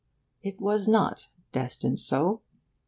It was not destined so.